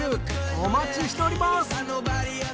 お待ちしております